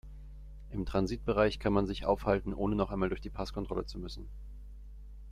Im Transitbereich kann man sich aufhalten, ohne noch einmal durch die Passkontrolle zu müssen.